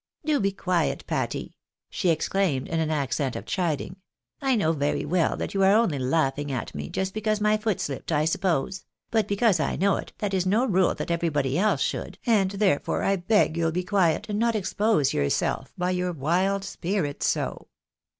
" Do be quiet, Patty !" she exclaimed, in an accent of chiding. " I know very well that you are only laughing at me, just because my foot slipped, I suppose ; but because I know it, that is no rule that everybody else should, and therefore I beg you'll be quiet, and not expose yourself by your wild spirits so."